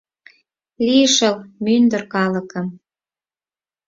Лишыл, мӱндыр калыкым